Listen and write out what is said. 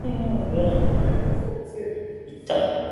この機械、どう見ても説明書通りに動かないんだけど、どうしよう。